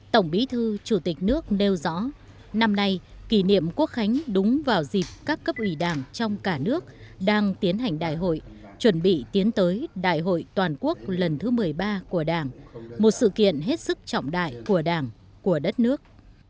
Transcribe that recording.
tổng bí thư chủ tịch nước nêu rõ năm nay kỷ niệm quốc khánh đúng vào dịp các cấp ủy đảng trong cả nước đang tiến hành đại hội chuẩn bị tiến tới đại hội toàn quốc lần thứ một mươi ba của đảng một sự kiện hết sức trọng đại của đảng của đất nước